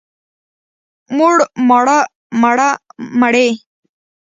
موړ، ماړه، مړه، مړې.